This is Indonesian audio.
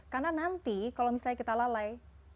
karena nanti kalau misalnya kita lalai